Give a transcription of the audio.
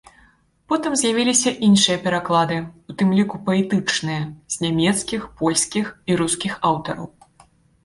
Потым з'явіліся іншыя пераклады, у тым ліку паэтычныя, з нямецкіх, польскіх і рускіх аўтараў.